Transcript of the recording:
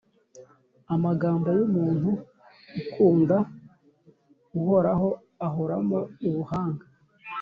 Amagambo y’umuntu ukunda Uhoraho ahoramo ubuhanga,